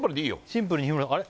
シンプルにあれ？